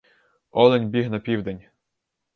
Олень біг на південь.